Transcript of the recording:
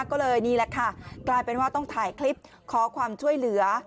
ก็เลยนี่แหละค่ะกลายเป็นว่าต้องถ่ายคลิปขอความช่วยเหลือ